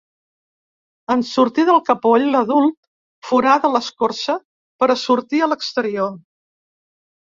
En sortir del capoll, l'adult forada l’escorça per a sortir a l’exterior.